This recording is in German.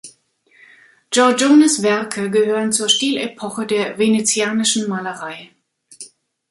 Giorgiones Werke gehören zur Stilepoche der venezianischen Malerei.